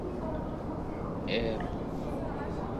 el